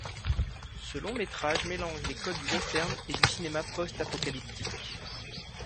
Ce long métrage mélange les codes du western et du cinéma post-apocalyptique.